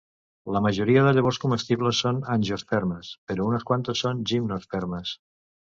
La majoria de llavors comestibles són angiospermes, però unes quantes són gimnospermes.